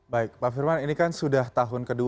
baik pak firman ini kan sudah tahun ke dua